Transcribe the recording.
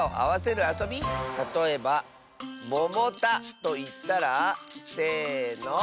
たとえば「ももた」といったらせの！